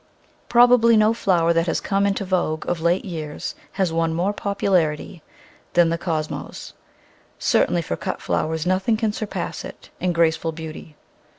Probably no flower that has come into vogue of late years has won more popularity than the Cosmos — certainly for cut flowers nothing can surpass it in graceful beauty.